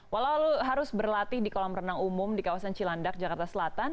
walau harus berlatih di kolam renang umum di kawasan cilandak jakarta selatan